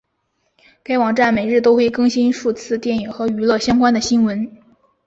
该网站每日都会更新数次电影和娱乐相关的新闻。